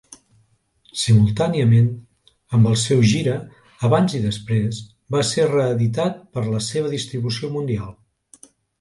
Simultàniament amb el seu gira, "Abans i Després" va ser reeditat per a la seva distribució mundial.